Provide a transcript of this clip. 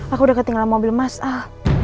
aku udah ketinggalan mobil mas al